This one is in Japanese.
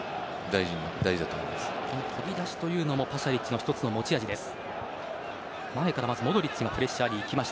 動き出しというのもパシャリッチの１つの持ち味です。